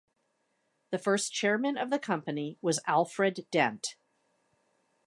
The first chairman of the company was Alfred Dent.